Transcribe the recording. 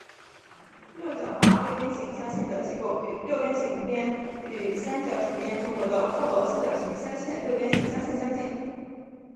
六角化六边形镶嵌的结构与六边形边与三角形边重合的复合三角形镶嵌六边形镶嵌相近。